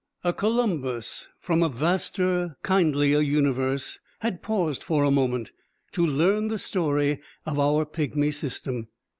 A Columbus from a vaster, kindlier universe had paused for a moment to learn the story of our pigmy system.